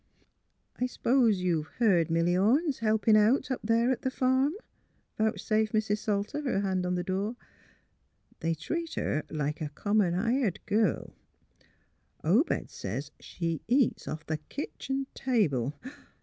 " I s'pose you've heard Milly Orne's helpin' out up there t' th' farm? " vouchsafed Mrs. Salter, her hand on the door. " They treat her like a common hired girl; Obed says, she eats off the kitchen table.